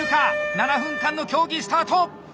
７分間の競技スタート！